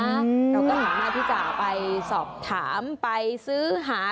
เราก็สามารถที่จะไปสอบถามไปซื้อหา